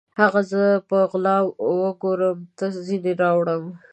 هغه زه په غلا وکور ته ځیني راوړم